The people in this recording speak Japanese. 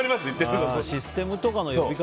システムとかの呼び方